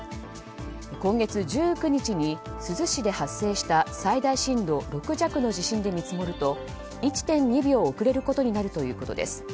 今月１９日に珠洲市で発生した最大震度６弱の地震で見積もると１．２秒遅れることになるということです。